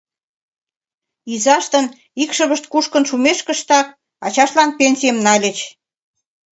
Изаштын икшывышт кушкын шумешкыштак ачаштлан пенсийым нальыч.